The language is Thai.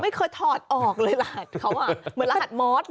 ไม่เคยถอดออกเลยหล่ะเขาเหมือนรหัสมอร์ต